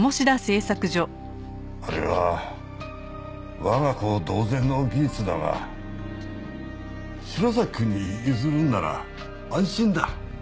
あれは我が子同然の技術だが白崎くんに譲るなら安心だ。